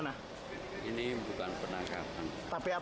pas ini kan pak